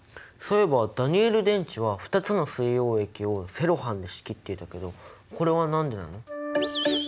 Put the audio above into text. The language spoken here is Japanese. そういえばダニエル電池は２つの水溶液をセロハンで仕切っていたけどこれは何でなの？